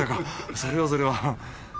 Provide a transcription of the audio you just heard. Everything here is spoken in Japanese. それはそれは。